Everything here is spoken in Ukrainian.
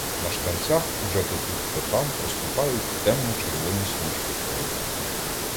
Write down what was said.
На штанцях уже то тут, то там проступають темно-червоні смужки крові.